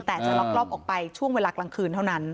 แต่จะลักลอบออกไปช่วงเวลากลางคืนเท่านั้น